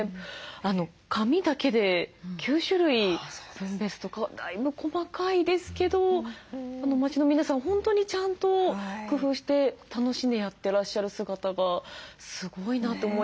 紙だけで９種類ですとかだいぶ細かいですけど町の皆さん本当にちゃんと工夫して楽しんでやってらっしゃる姿がすごいなと思いましたね。